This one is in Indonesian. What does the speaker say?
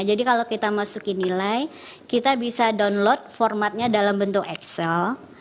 jadi kalau kita masukin nilai kita bisa download formatnya dalam bentuk excel